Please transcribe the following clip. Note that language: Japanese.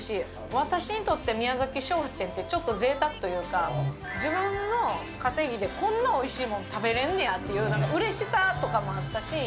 私にとってミヤザキ商店って、ちょっとぜいたくというか、自分の稼ぎでこんなおいしいもん食べれんのやって、うれしさとかもあったし。